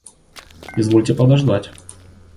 Извольте подождать.